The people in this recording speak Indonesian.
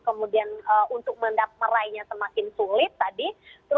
kemudian untuk mendap meraihnya semakin sulit